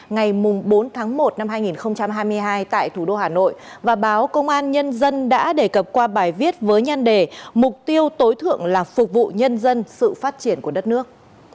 ngày bốn tháng một năm hai nghìn hai mươi hai tại thủ đô hà nội và báo công an nhân dân đã đề cập qua bài viết với nhan đề mục tiêu tối thượng là phục vụ nhân dân sự phát triển của đất nước